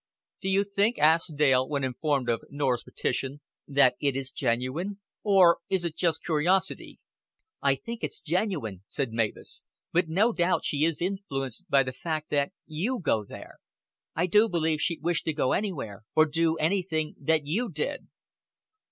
"Do you think," asked Dale, when informed of Norah's petition, "that it is genuine? Or is it just curiosity?" "I think it's genuine," said Mavis. "But no doubt she is influenced by the fact that you go there. I do believe she'd wish to go anywhere or do anything that you did."